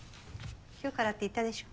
今日からって言ったでしょ。